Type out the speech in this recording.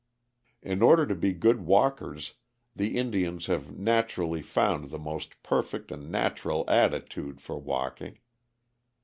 In order to be good walkers the Indians have naturally found the most perfect and natural attitude for walking.